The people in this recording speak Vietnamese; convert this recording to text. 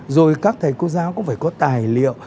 rồi các thầy cô giáo cũng phải có tài liệu